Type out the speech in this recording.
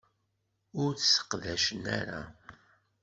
Ur tt-sseqdacen ara.